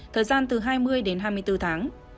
thời gian từ hai mươi đến hai mươi bốn tháng